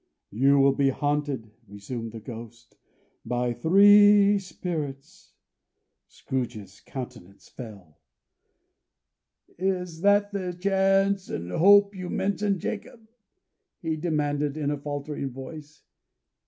"You will be haunted," resumed the Ghost, "by Three Spirits." Scrooge's countenance fell. "Is that the chance and hope you mentioned. Jacob?" he demanded, in a faltering voice.